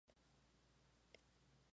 Plantas anuales.